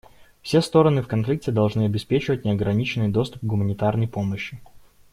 Все стороны в конфликте должны обеспечивать неограниченный доступ к гуманитарной помощи.